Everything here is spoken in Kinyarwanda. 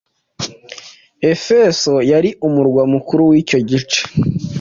Efeso, yari umurwa mukuru w’icyo gice,